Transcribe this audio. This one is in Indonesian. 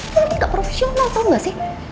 mungkin gak profesional tau gak sih